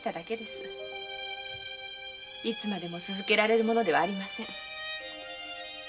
いつまでも続けられるものではありません。